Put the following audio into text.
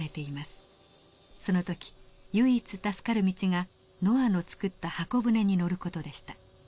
その時唯一助かる道がノアの作った方舟に乗る事でした。